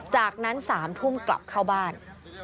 จากนั้น๓ทุ่มกลับเข้าบ้าน